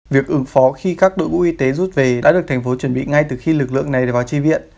việc ứng phó khi các đội bộ y tế rút về đã được tp hcm chuẩn bị ngay từ khi lực lượng này vào chi viện